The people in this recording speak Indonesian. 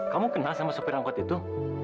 kamu kenal sama sopir angkot itu